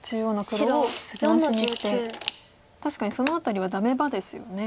確かにその辺りはダメ場ですよね。